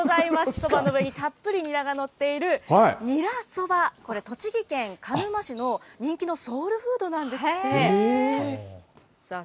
そばの上にたっぷりニラが載っている、ニラそば、これ、栃木県鹿沼市の人気のソウルフードなんですって。